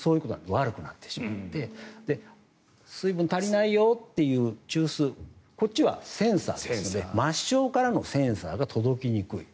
悪くなってしまって水分が足りないよという中枢こっちはセンサーですが末梢からのセンサーが届きにくい。